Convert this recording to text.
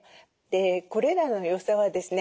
これらのよさはですね